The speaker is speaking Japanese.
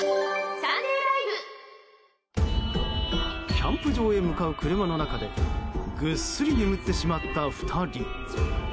キャンプ場へ向かう車の中でぐっすり眠ってしまった２人。